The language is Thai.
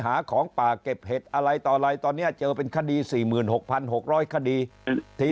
หาของป่าเก็บเห็ดอะไรต่ออะไรตอนนี้เจอเป็นคดี๔๖๖๐๐คดีที